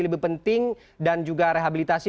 lebih penting dan juga rehabilitasi